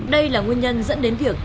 đây là nguyên nhân dẫn đến việc